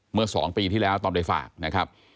เมื่อ๒ปีที่แล้วตอนไปฝากนะครับ